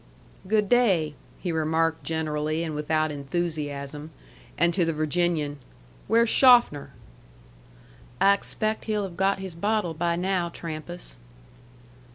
"Good day!" he remarked generally and without enthusiasm; and to the Virginian, "Where's Schoffner?" "I expaict he'll have got his bottle by now, Trampas."